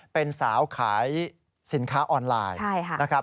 เป็นสาวขายสินค้าออนไลน์